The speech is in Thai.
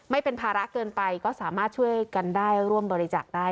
ไม่เป็นภาระเกินไปก็สามารถช่วยกันได้ร่วมบริจาคได้